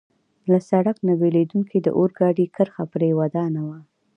له سړک نه بېلېدونکې د اورګاډي کرښه پرې ودانوه.